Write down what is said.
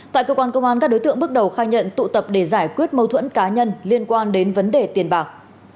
tại cơ quan công an các đối tượng bước đầu khai nhận tụ tập để giải quyết mâu thuẫn cá nhân liên quan đến vấn đề tiền bạc